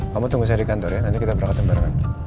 kamu tunggu saya di kantor ya nanti kita berangkat sembarangan